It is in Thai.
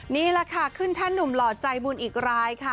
นี่แหละค่ะขึ้นแท่นหนุ่มหล่อใจบุญอีกรายค่ะ